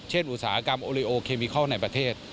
อุตสาหกรรมโอลิโอเคมิคอลในประเทศ